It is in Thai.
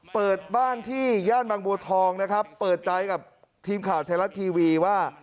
เปิดบ้านที่ย่านบางบัวทองนะครับเปิดใจกับทีมข่าวไทยรัฐทีวีว่า